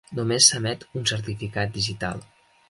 Només s'emet un certificat digital.